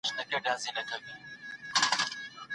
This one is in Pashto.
ډاکټره به اوږده پاڼه ړنګه کړي.